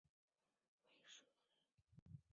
韦陟人。